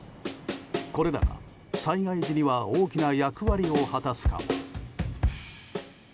これらが災害時には大きな役割を果たすかも。